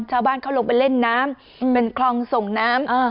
ชาวบ้านเขาลงไปเล่นน้ำเป็นคลองส่งน้ำ